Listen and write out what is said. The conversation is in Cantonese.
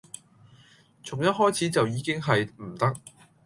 從一開始就已經係唔得